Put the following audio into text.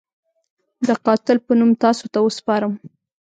د قاتل په نوم تاسو ته وسپارم.